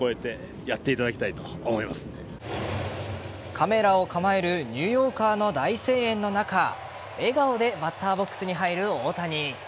カメラを構えるニューヨーカーの大声援の中笑顔でバッターボックスに入る大谷。